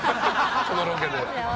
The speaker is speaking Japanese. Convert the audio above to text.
このロケで。